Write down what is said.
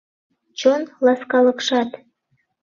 Чон ласкалыкшат.